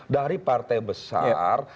dari partai besar